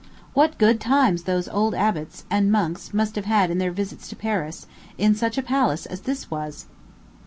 What good times those old abbots, and monks must have had in their visits to Paris, in such a palace as this was!